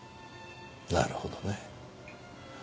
なるほどね。